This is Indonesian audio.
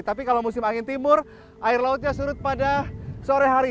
tapi kalau musim angin timur air lautnya surut pada sore hari